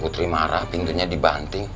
putri marah pintunya dibanting